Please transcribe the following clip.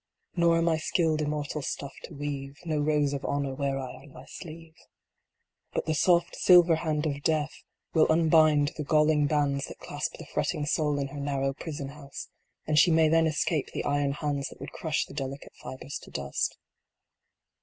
" Nor am I skilled immortal stuff to weave. No rose of honor wear I on my sleere." But the soft silver hand of death will unbind the galling ioo A FRAGMENT. bands that clasp the fretting soul in her narrow prison house, and she may then escape the iron hands that would crush the delicate fibres to dust.